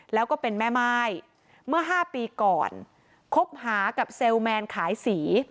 แล้วก็เป็นแม่ม่ายเมื่อ๕ปีก่อนคบหากับเซลล์แมนขายสี